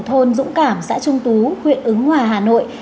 thôn dũng cảm xã trung tú huyện ứng hòa hà nội